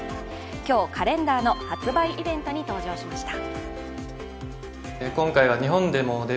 今日、カレンダーの発売イベントに登場しました。